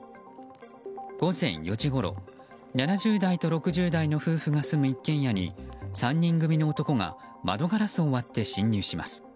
午前４時ごろ７０代と６０代の夫婦が住む一軒家に３人組の男が窓ガラスを割って侵入します。